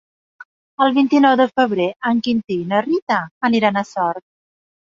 El vint-i-nou de febrer en Quintí i na Rita aniran a Sort.